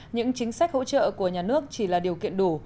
những chính sách hỗ trợ của nhà nước chỉ là điều kiện đủ